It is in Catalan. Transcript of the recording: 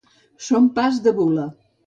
Som pas de Bula.